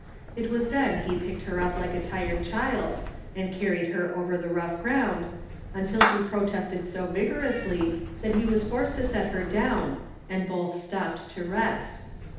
It was then he picked her up like a tired child and carried her over the rough ground, luitil she protested so vigorously that he was forced to set her down and both stopped to rest.